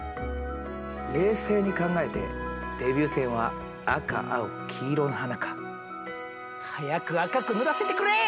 冷静に考えてデビュー戦は赤青黄色の花か。早く赤く塗らせてくれ！